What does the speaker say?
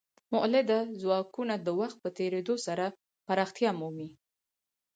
مؤلده ځواکونه د وخت په تیریدو سره پراختیا مومي.